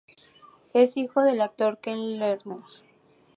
Es hijo del actor Ken Lerner.